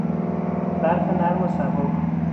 برف نرم و سبک